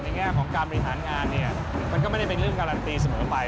แง่ของการบริหารงานเนี่ยมันก็ไม่ได้เป็นเรื่องการันตีเสมอไป